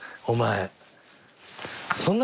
お前。